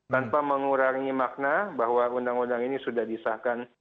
tanpa mengurangi makna bahwa undang undang ini sudah disahkan